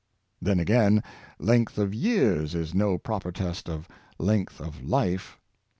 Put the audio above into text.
I'hen, again, length oi years is no proper test of length of life.